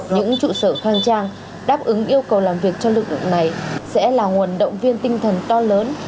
những trụ sở khang trang đáp ứng yêu cầu làm việc cho lực lượng này sẽ là nguồn động viên tinh thần to lớn